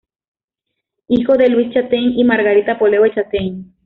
Hijo de Luis Chataing y Margarita Poleo de Chataing.